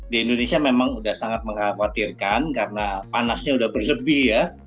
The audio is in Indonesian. di indonesia memang sudah sangat mengkhawatirkan karena panasnya sudah berlebih ya